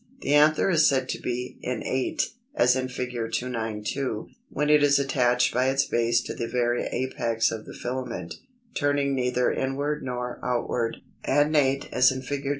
The anther is said to be Innate (as in Fig. 292), when it is attached by its base to the very apex of the filament, turning neither inward nor outward; Adnate (as in Fig.